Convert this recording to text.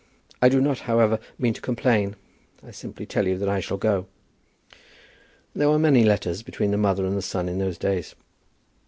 I do not, however, mean to complain, but simply tell you that I shall go." There were many letters between the mother and son in those days.